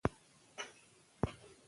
مېلې د ښو اخلاقو زدهکړه هم لري.